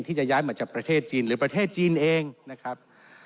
ที่จะย้ายมาจากประเทศจีนหรือประเทศจีนเองนะครับ